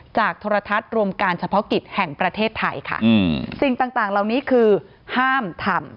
โทรทัศน์รวมการเฉพาะกิจแห่งประเทศไทยค่ะอืมสิ่งต่างต่างเหล่านี้คือห้ามทำ